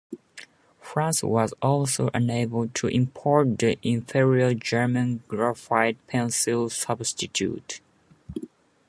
France was also unable to import the inferior German graphite pencil substitute.